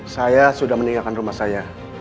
saya sudah meninggalkan rumah saya